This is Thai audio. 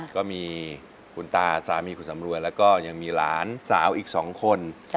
ก็มีคุณตาสามีคุณสำรวยแล้วก็ยังมีหลานสาวอีก๒คน